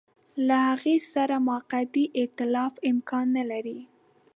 له هغه سره موقتي ایتلاف امکان نه لري.